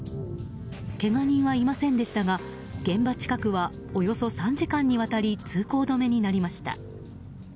けが人はいませんでしたが現場近くはおよそ３時間にわたり通行止めになりました。